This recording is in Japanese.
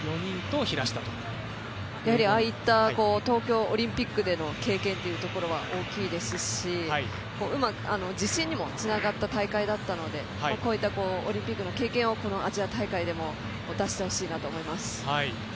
ああいった東京オリンピックでの経験は大きいですし、自信にもつながった大会だったのでこういったオリンピックの経験をこのアジア大会でも出してほしいなと思います。